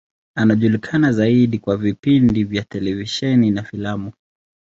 Anajulikana zaidi kwa vipindi vya televisheni na filamu.